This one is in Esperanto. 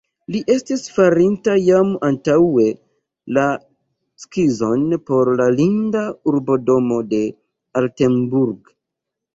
Li estis farinta jam antaŭe la skizon por la linda urbodomo de Altenburg.